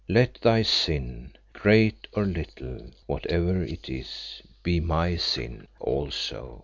Let thy sin, great or little whate'er it is be my sin also.